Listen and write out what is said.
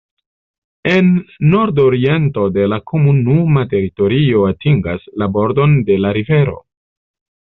En nordoriento la komunuma teritorio atingas la bordon de la rivero.